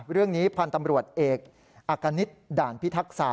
เรื่องนี้พันธ์ตำรวจเอกอักกณิตด่านพิทักษา